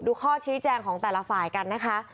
ข้อชี้แจงของแต่ละฝ่ายกันนะคะ